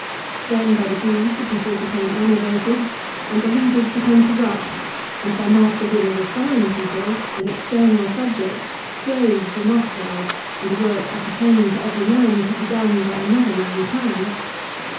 Then by degrees the people became enervated and the leaders CICERO'S MORAL ESSAYS. 373 became corrupt, and by masterhood over foreign people and external subjects slaves were multiplied and the work appertaining to every man could be done by another man's hand.